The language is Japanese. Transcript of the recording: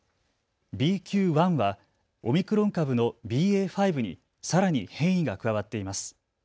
ＢＱ．１はオミクロン株のＢＡ．５にさらに変異が加わっています。